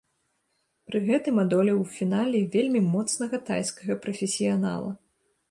Пры гэтым адолеў у фінале вельмі моцнага тайскага прафесіянала.